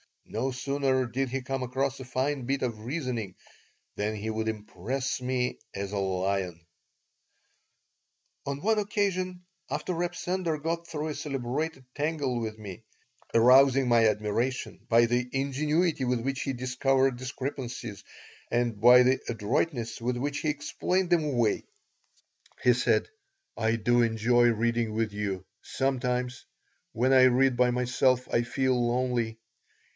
No sooner did he come across a fine bit of reasoning than he would impress me as a lion On one occasion, after Reb Sender got through a celebrated tangle with me, arousing my admiration by the ingenuity with which he discovered discrepancies and by the adroitness with which he explained them away, he said: "I do enjoy reading with you. Sometimes, when I read by myself, I feel lonely.